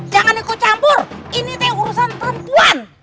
jangan ikut campur ini nih urusan perempuan